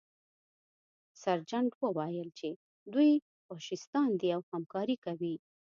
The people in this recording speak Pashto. سرجنټ وویل چې دوی فاشیستان دي او همکاري کوي